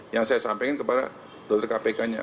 yang saya sampaikan kepada dokter kpk nya